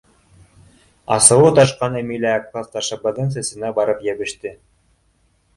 — Асыуы ташҡан Әмилә класташыбыҙҙың сәсенә барып йәбеште.